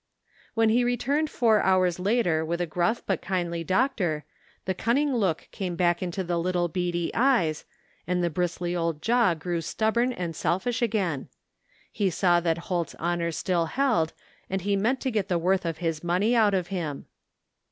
When he returned four hours later with a gruff but kindly doctor, the cunning look came back into the little beady eyes, and the bristly old jaw grew stubborn 135 THE FINDING OF JASPER HOLT and selfish again. He saw that Holt's honor still hdd and he meant to get the worth of his money out of him.